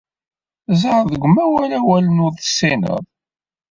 Ẓer deg umawal awalen ur tessineḍ.